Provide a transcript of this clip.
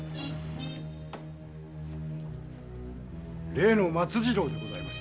例の松次郎でございます。